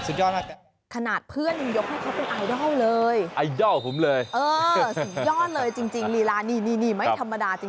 สุดยอดเลยจริงรีลานี่ไม่ทำไมเลย